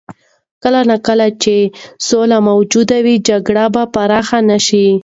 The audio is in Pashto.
کله نا کله چې سوله موجوده وي، جګړه به پراخه نه شي.